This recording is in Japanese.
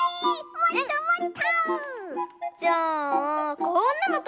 もっともっと！